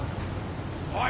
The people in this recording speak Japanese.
おい！